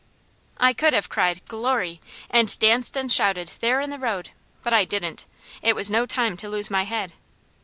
I could have cried "Glory!" and danced and shouted there in the road, but I didn't. It was no time to lose my head.